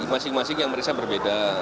masing masing yang merisa berbeda